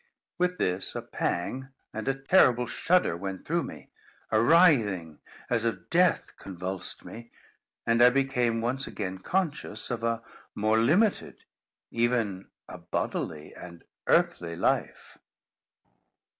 With this, a pang and a terrible shudder went through me; a writhing as of death convulsed me; and I became once again conscious of a more limited, even a bodily and earthly life.